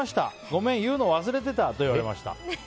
ごめん言うの忘れてたと言われました。